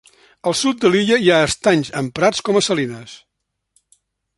Al sud de l'illa hi ha estanys emprats com a salines.